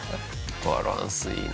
バランスいいな。